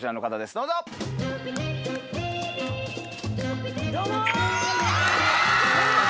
どうも。